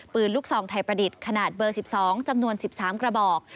ปืนลูกซองไทยประดิษฐ์ขนาดเบอร์๑๒จำนวน๑๓กระบอก